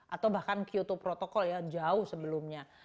atau bahkan kyoto protocol ya jauh sebelumnya